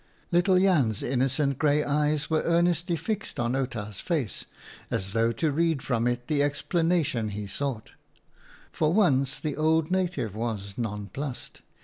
" Little Jan's innocent grey eyes were ear nestly fixed on Quta's face, as though to read WHO WAS KING? 41 from it the explanation he sought. For once the old native was nonplussed.